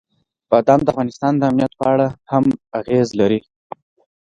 بادام د افغانستان د امنیت په اړه هم اغېز لري.